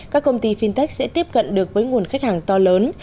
các công ty fintech sẽ tiếp cận được với nguồn khách hàng to lớn